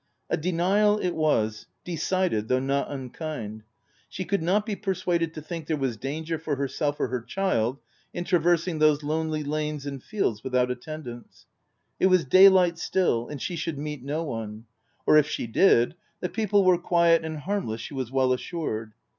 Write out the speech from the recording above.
A denial it was, decided, though not unkind. She could not be persuaded to think there was danger for herself or her child in traversing those lonely lanes and fields without attend ance. It was day light still, and she should meet no one ; or if she did, the people were quiet and harmless she was well assured.